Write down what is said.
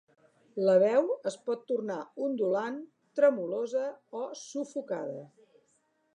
La veu es pot tornar ondulant, tremolosa o sufocada.